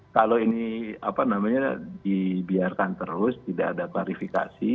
kalau ini apa namanya dibiarkan terus tidak ada klarifikasi